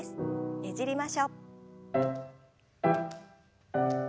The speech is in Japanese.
ねじりましょう。